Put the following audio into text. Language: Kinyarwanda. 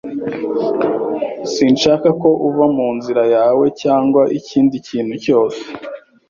Sinshaka ko uva mu nzira yawe cyangwa ikindi kintu cyose.